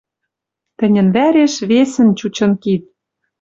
Тӹньӹн вӓреш весӹн чучын кид...